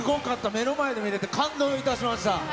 目の前で見れて感動いたしました。